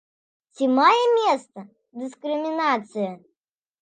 Ці мае месца дыскрымінацыя?